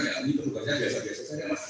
ya ini pembuatnya biasa biasa saja